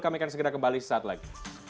kami akan segera kembali saat lagi